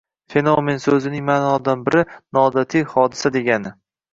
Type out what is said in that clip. “Fenomen” so‘zining ma’nolaridan biri – “nooddiy hodisa degani